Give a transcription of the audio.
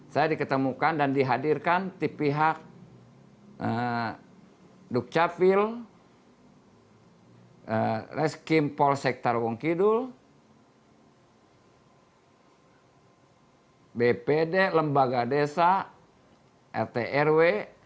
saya diketemukan dan dihadirkan di pihak dukcapil reskim polsek tarwong kidul bpd lembaga desa rt rw